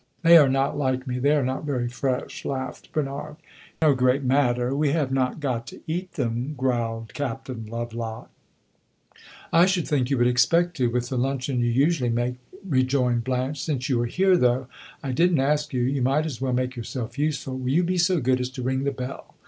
"They are not like me they are not very fresh," laughed Bernard. "It 's no great matter we have not got to eat them," growled Captain Lovelock. "I should think you would expect to with the luncheon you usually make!" rejoined Blanche. "Since you are here, though I did n't ask you, you might as well make yourself useful. Will you be so good as to ring the bell?